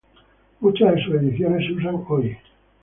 Muchas de sus ediciones se usan hoy.